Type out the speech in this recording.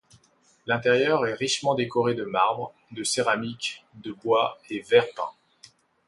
L'intérieur est richement décoré de marbre, de céramique, de bois et verre peint.